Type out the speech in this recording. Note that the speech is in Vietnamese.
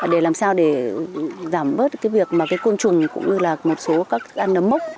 để làm sao để giảm bớt cái việc mà cái côn trùng cũng như là một số các ăn nấm mốc